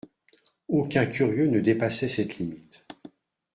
Aucun curieux ne dépassait cette limite.